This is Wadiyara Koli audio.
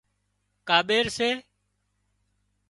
ڪاٻير سي